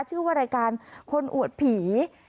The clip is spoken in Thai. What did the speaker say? ชื่อว่ารายการคนอวดผี